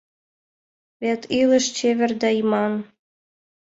Вет илыш чевер да иман.